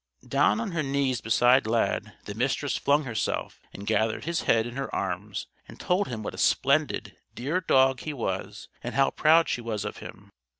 Down on her knees beside Lad the Mistress flung herself, and gathered his head in her arms and told him what a splendid, dear dog he was and how proud she was of him.